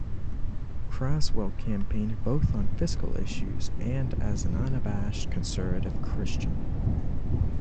Craswell campaigned both on fiscal issues and as an unabashed conservative Christian.